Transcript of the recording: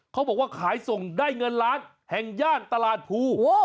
เขาบอกว่าขายส่งได้เงินล้านแห่งย่านตลาดภู